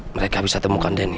mereka bisa temukan dennis